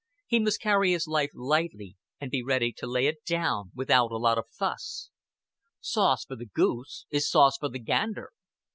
He must carry his life lightly, and be ready to lay it down without a lot of fuss. Sauce for the goose is sauce for the gander.